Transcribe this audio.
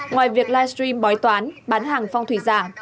ngoài việc livestream bói toán bán hàng phong thủy giả